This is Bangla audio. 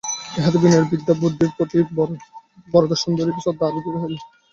ইহাতে বিনয়ের বিদ্যা ও বুদ্ধির প্রতি বরদাসুন্দরীর শ্রদ্ধা আরো দৃঢ় হইল।